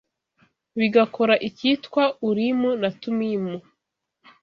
bigakora ikitwa Urimu na Tumimu